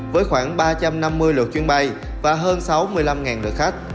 với khoảng ba trăm năm mươi lượt chuyến bay và hơn sáu mươi năm ngàn lượt khách